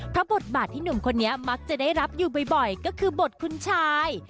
เพราะบทบาทที่หนุ่มคนนี้มักจะได้รับอยู่บ่อยก็คือบทคุณชาย